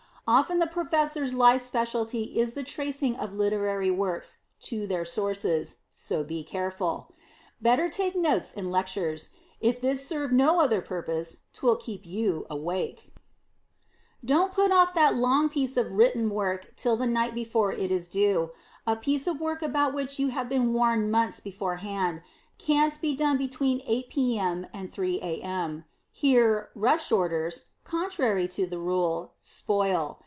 Often the Professor's life specialty is the tracing of literary works to their sources; so be careful. Better take notes in lectures; if this serve no other purpose, 'twill keep you awake. [Sidenote: PUTTING OFF WORK] Don't put off that long piece of written work till the night before it is due. A piece of work about which you have been warned months beforehand, can't be done between 8 p.m. and 3 a.m. Here "rush orders," contrary to the rule, spoil.